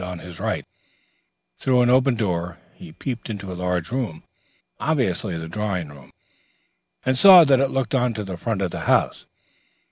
On his right, through an open door, he peeped into a large room, obviously the drawing room, and saw that it looked on to the front of the house.